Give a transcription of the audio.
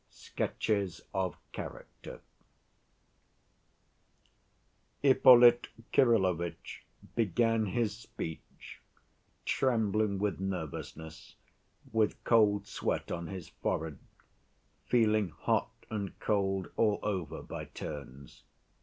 Sketches Of Character Ippolit Kirillovitch began his speech, trembling with nervousness, with cold sweat on his forehead, feeling hot and cold all over by turns.